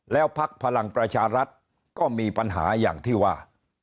แล้วพักพลังประชารัฐก็มีปัญหาอย่างที่ว่า